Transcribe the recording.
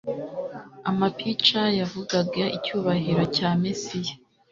amapica yavugaga icyubahiro cya Mesiya: